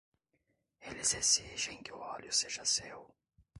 Eles exigem que o óleo seja seu.